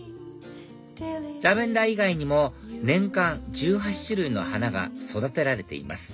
ラベンダー以外にも年間１８種類の花が育てられています